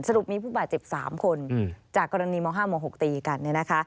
สรุปมีผู้บาดเจ็บ๓คนจากกรณีม๕ม๖ตีกัน